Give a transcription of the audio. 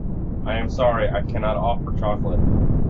I am sorry I cannot offer chocolate.